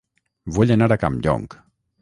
Vull anar a Campllong